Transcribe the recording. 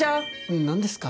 何ですか？